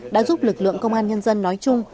đã giúp lực lượng công an nhân dân nói chung